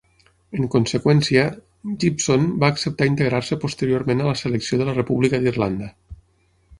En conseqüència, Gibson va acceptar integrar-se posteriorment a la Selecció de la República d'Irlanda.